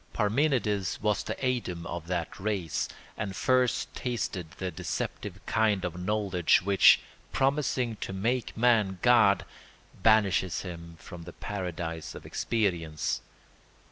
Parmenides was the Adam of that race, and first tasted the deceptive kind of knowledge which, promising to make man God, banishes him from the paradise of experience.